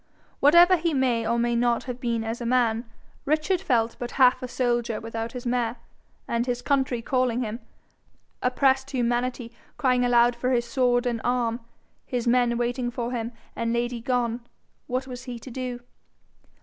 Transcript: Whatever he may or may not have been as a man, Richard felt but half a soldier without his mare, and, his country calling him, oppressed humanity crying aloud for his sword and arm, his men waiting for him, and Lady gone, what was he to do?